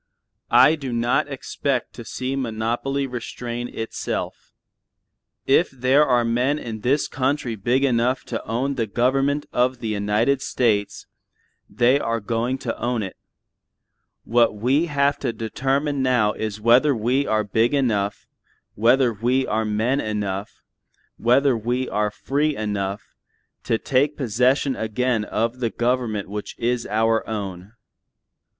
I do not expect to see monopoly restrain itself. If there are men in this country big enough to own the government of the United States, they are going to own it; what we have to determine now is whether we are big enough, whether we are men enough, whether we are free enough, to take possession again of the government which is our own.